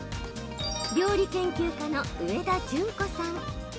料理研究家の上田淳子さん。